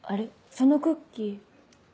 そのクッキー。